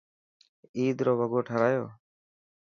عيد رو وگو ٺارايو؟